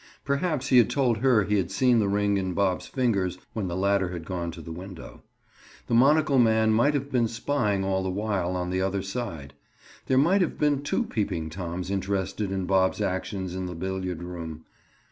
Perhaps he had told her he had seen the ring in Bob's fingers when the latter had gone to the window. The monocle man might have been spying all the while, on the other side. There might have been two Peeping Toms interested in Bob's actions in the billiard room.